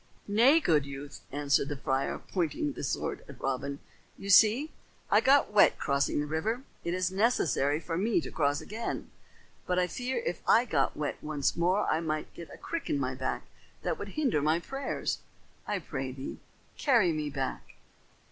"Nay, good youth," answered the friar, pointing the sword at Robin. "You see, I got wet crossing the river. It is necessary for me to cross again, but I fear if I got wet once more I might get a crick in my back that would hinder my prayers. I pray thee, carry me back."